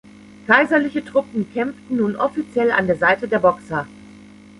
Kaiserliche Truppen kämpften nun offiziell an der Seite der Boxer.